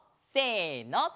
せの。